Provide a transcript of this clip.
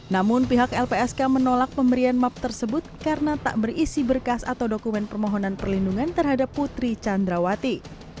namun pihak lpsk menolak pemberian map tersebut karena tak berisi berkas atau dokumen permohonan perlindungan terhadap putri candrawati